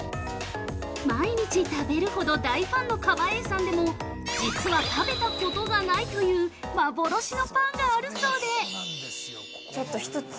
◆毎日食べるほど大ファンの川栄さんでも、実は食べたことがないという幻のパンがあるそうで◆ちょっと１つ。